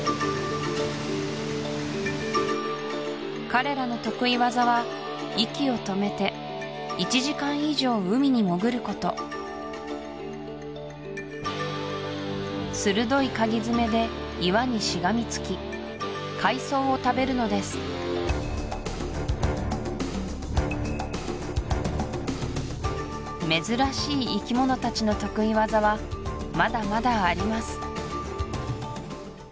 彼らの得意技は息を止めて１時間以上海に潜ること鋭いかぎ爪で岩にしがみつき海藻を食べるのです珍しい生き物たちの得意技はまだまだあります